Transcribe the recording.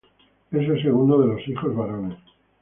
Es el segundo de los hijos varones.